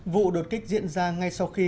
vụ đột kích diễn ra ngay sau khi